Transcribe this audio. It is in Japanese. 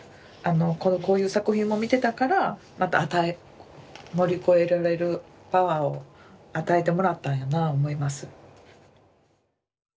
こういう作品も見てたから乗り越えられるパワーを与えてもらったんやなあ思います。